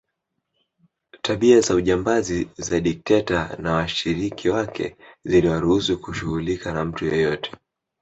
Tabia za ujambazi za dikteta na washirika wake ziliwaruhusu kushughulika na mtu yeyote